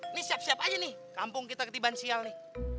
ini siap siap aja nih kampung kita ketiban sial nih